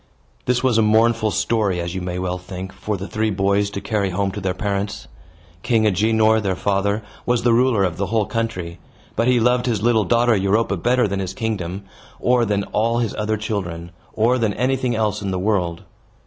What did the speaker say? This was a mournful story, as you may well think, for the three boys to carry home to their parents. King Agenor, their father, was the ruler of the whole country; but he loved his little daughter Europa better than his kingdom, or than all his other children, or than anything else in the world.